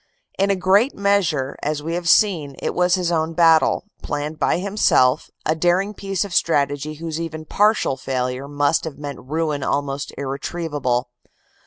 In a great measure, as we have seen, it was his own battle, planned by himself, a daring piece of strategy whose even partial failure must have meant ruin almost irretrievable.